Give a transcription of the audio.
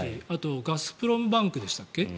あとガスプロムバンクでしたっけ。